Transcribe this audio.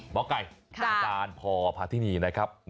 บก้ายอาจารย์พพาธินีนะครับค่ะ